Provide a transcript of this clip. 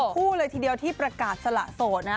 คู่เลยทีเดียวที่ประกาศสละโสดนะ